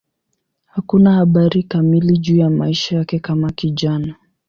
Hakuna habari kamili juu ya maisha yake kama kijana.